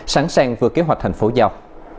sẵn sàng vượt kế hoạch thành phố giao